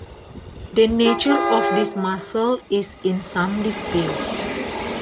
The nature of this muscle is in some dispute.